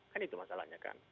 kan itu masalahnya kan